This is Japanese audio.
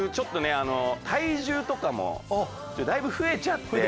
体重もだいぶ増えちゃって。